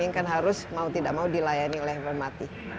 ini kan harus mau tidak mau dilayani oleh formati